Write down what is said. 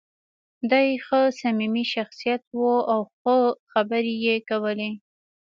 دی ښه صمیمي شخصیت و او ښه خبرې یې کولې.